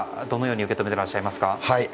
どのように受け止めていらっしゃいますか。